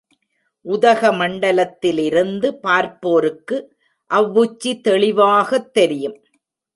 உதகமண்டலத்திலிருந்து பார்ப்போருக்கு அவ்வுச்சி தெளிவாகத் தெரியும்.